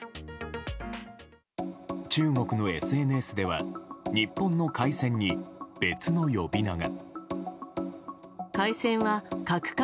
中国のＳＮＳでは日本の海鮮に別の呼び名が。